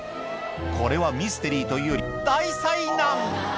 これはミステリーというより大災難！